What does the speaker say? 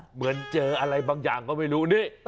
เหมือนเจออะไรบางอย่างก็ไม่รู้นี่